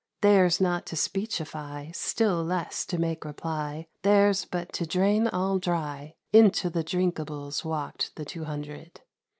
Theirs not to speechify. Still less to make reply ; Theirs but to drain all dry, — Into the drinkables Walked the Two Hundred